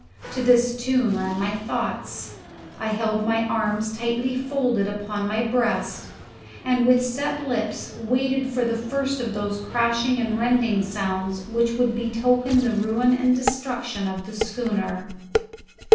To this tune ran my thoughts. I held my arms tightly folded upon my breast, and with set lips waited for the first of those crashing and rending sounds which would betoken the ruin and destruction of the schooner.